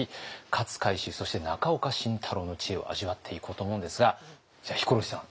勝海舟そして中岡慎太郎の知恵を味わっていこうと思うんですがじゃあヒコロヒーさん。